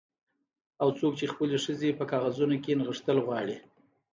او څوک چې خپلې ښځې په کاغذونو کې نغښتل غواړي